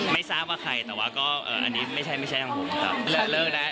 ไม่ทราบว่าใครแต่ว่าอันนี้ไม่ใช่ตามผมครับ